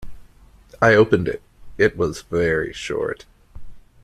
I opened it — it was very short.